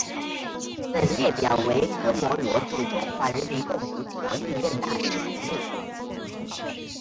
本列表为科摩罗驻中华人民共和国历任大使名录。